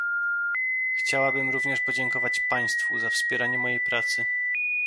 Chciałbym również podziękować państwu za wspieranie mojej pracy